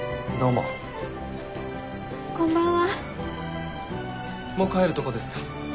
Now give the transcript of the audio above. もう帰るとこですか？